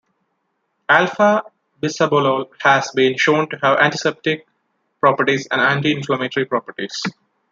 Alpha-bisabolol has been shown to have antiseptic properties and anti-inflammatory properties.